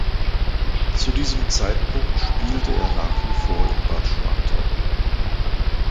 Zu diesem Zeitpunkt spielte er nach wie vor in Bad Schwartau.